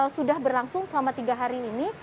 sudah berlangsung selama tiga hari ini